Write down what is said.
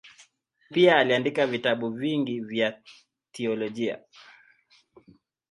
Pia aliandika vitabu vingi vya teolojia.